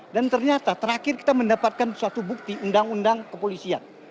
dan ternyata terakhir kita mendapatkan suatu bukti undang undang kepolisian